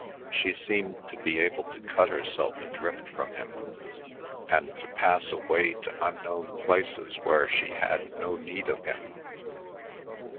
She seemed to be able to cut herself adrift from him, and to pass away to unknown places where she had no need of him.